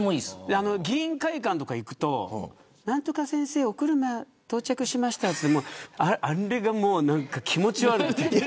議員会館とか行くと、何とか先生お車到着しましたってあれがなんか気持ち悪くて。